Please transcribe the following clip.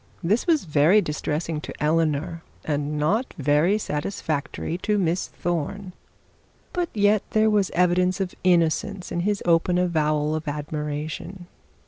This was very distressing to Eleanor, and not very satisfactory to Miss Thorne. But yet there was evidence of innocence in his open avowal of admiration.